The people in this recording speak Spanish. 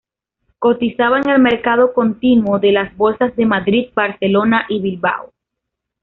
Cotizaba en el Mercado Continuo de las Bolsas de Madrid, Barcelona y Bilbao.